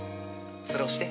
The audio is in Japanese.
それ押して。